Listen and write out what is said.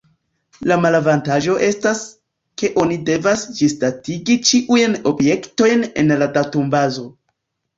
La malavantaĝo estas, ke oni devas ĝisdatigi ĉiujn objektojn en la datumbazo.